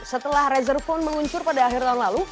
setelah razer phone meluncur pada akhir tahun lalu